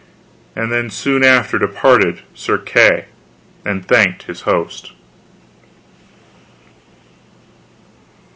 And then soon after departed Sir Kay, and thanked his host.